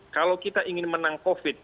kalau kita ingin menang covid